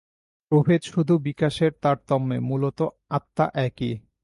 প্রভেদ শুধু বিকাশের তারতম্যে, মূলত আত্মা একই।